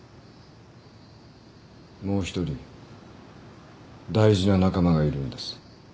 もう一人大事な仲間がいるんです。